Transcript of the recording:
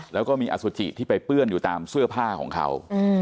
แล้วก็มีอสุจิที่ไปเปื้อนอยู่ตามเสื้อผ้าของเขา